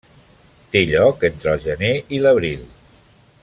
Té lloc entre el gener i l'abril.